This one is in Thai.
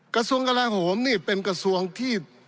กระทรวงกลาโหมนี่เป็นกระทรวงที่